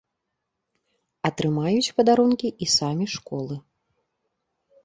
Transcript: Атрымаюць падарункі і самі школы.